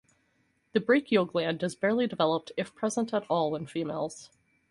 The brachial gland is barely developed if present at all in females.